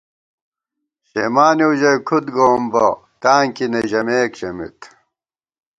شېمانېؤ ژَئی کھُد گووُم بہ ، تاں کی نہ ژَمېک ژَمېت